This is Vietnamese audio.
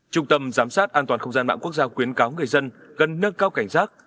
trung tâm giám sát an toàn không gian mạng quốc gia khuyến cáo người dân cần nâng cao cảnh giác